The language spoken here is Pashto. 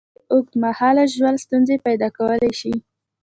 د ژاولې اوږد مهاله ژوول ستونزې پیدا کولی شي.